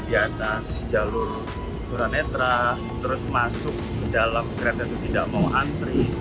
di atas jalur tunanetra terus masuk dalam kereta itu tidak mau antri